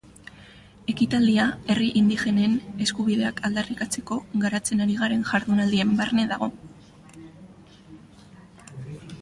Ekitaldia herri indigenen eskubideak aldarrikatzeko garatzen ari garen jardunaldien barne dago.